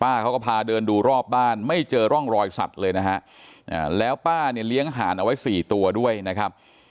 เขาก็พาเดินดูรอบบ้านไม่เจอร่องรอยสัตว์เลยนะฮะแล้วป้าเนี่ยเลี้ยงห่านเอาไว้สี่ตัวด้วยนะครับ